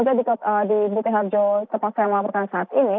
jadi di butiharjo seperti yang saya melaporkan saat ini